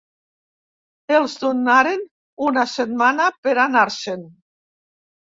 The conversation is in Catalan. Els donaren una setmana per anar-se’n.